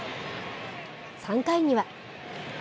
３回には。